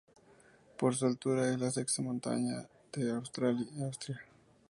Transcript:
Por su altura es la sexta montaña de Austria.